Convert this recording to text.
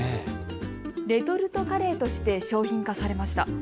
レトルトカレーとして商品化されました。